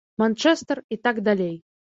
Манчэстэр і так далей.